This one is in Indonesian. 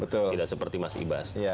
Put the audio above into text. tidak seperti mas ibas